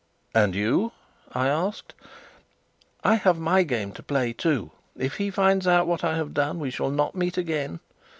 "And you?" I asked. "I have my game to play too. If he finds out what I have done, we shall not meet again.